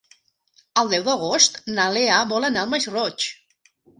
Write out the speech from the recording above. El deu d'agost na Lea vol anar al Masroig.